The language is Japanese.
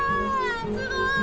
すごい！